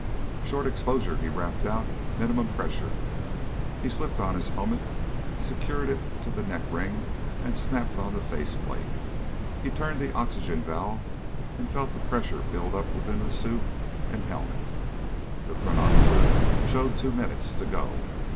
"Short exposure," he rapped out. "Minimum pressure." He slipped on his helmet, secured it to the neck ring and snapped on the face plate. He turned the oxygen valve and felt the pressure build up within the suit and helmet. The chronometer showed two minutes to go.